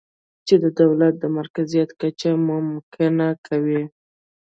چې د دولت د مرکزیت کچه ممکنه کوي